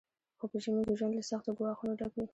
خو په ژمي کې ژوند له سختو ګواښونو ډک وي